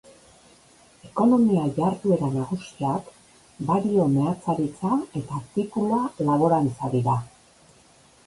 Ekonomia jarduera nagusiak bario-meatzaritza eta tipula-laborantza dira.